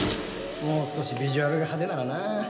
もう少しビジュアルが派手ならな。